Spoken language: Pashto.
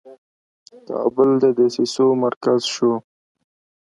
کابل د دسیسو مرکز شو.